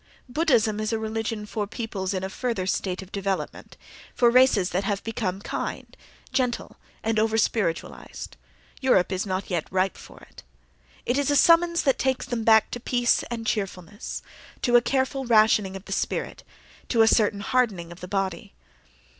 Buddhism is a religion for peoples in a further state of development, for races that have become kind, gentle and over spiritualized (—Europe is not yet ripe for it—): it is a summons that takes them back to peace and cheerfulness, to a careful rationing of the spirit, to a certain hardening of the body.